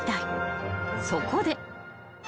［そこで］